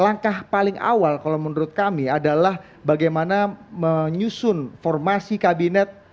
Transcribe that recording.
langkah paling awal kalau menurut kami adalah bagaimana menyusun formasi kabinet